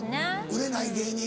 売れない芸人。